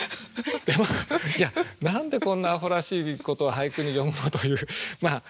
でまあいや何でこんなアホらしいことを俳句に詠むの？という声もあって。